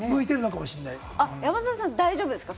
山里さん、大丈夫ですか？